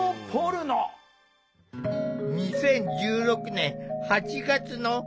２０１６年８月の生放送。